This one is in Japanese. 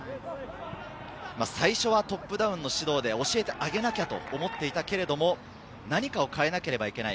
最初はトップダウンの指導で教えてあげなきゃと思っていたけれども、何かを変えなければいけない。